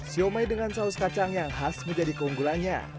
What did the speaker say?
siomay dengan saus kacang yang khas menjadi keunggulannya